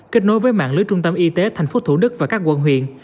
kết nối với mạng lưới trung tâm y tế tp thủ đức và các quận huyện